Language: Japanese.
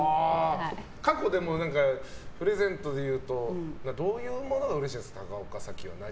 過去、プレゼントでいうとどういうものがうれしいんですか？